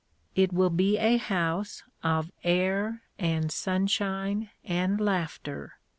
It will be a house of air and sunshine and laughter.